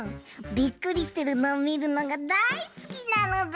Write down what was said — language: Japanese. びっくりしてるのをみるのがだいすきなのだ！